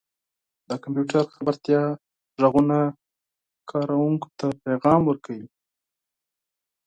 • د کمپیوټر خبرتیا ږغونه کاروونکو ته پیغام ورکوي.